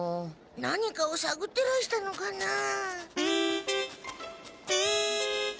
何かをさぐってらしたのかなあ。